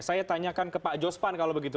saya tanyakan ke pak jospan kalau begitu